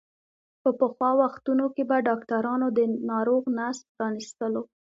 په پخوا وختونو کې به ډاکترانو د ناروغ نس پرانستلو.